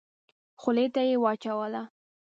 خولې ته يې واچوله.